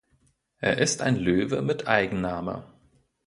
Er ist ein Löwe mit Eigenname.